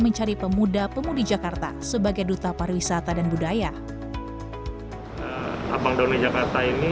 mencari pemuda pemudi jakarta sebagai duta pariwisata dan budaya abang none jakarta ini